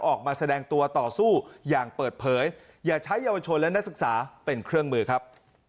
ออกมาแสดงตัวต่อสู้อย่างเปิดเผยอย่าใช้เยาวชนและนักศึกษาเป็นเครื่องมือครับ